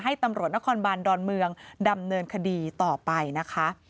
ตำรวจนครบานดอนเมืองดำเนินคดีต่อไปนะคะ